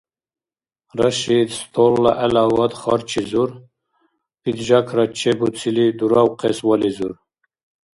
Рашид столла гӀелавад харчизур, пиджакра чебуцили, дуравхъес вализур.